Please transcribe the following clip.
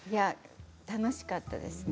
楽しかったですね。